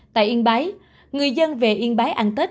tại yên bái người dân về yên bái ăn tết